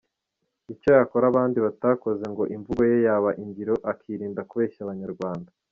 Icyo yakora abandi batakoze, ngo imvugo ye yaba ingiro akirinda kubeshya abanyarwanda.